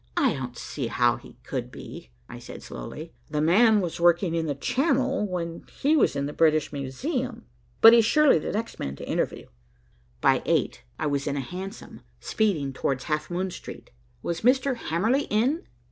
"I don't see how he could be," I said slowly. "'The man' was working in the Channel, when he was in the British Museum. But he's surely the next man to interview." By eight I was in a hansom speeding towards Half Moon Street. "Was Mr. Hamerly in?"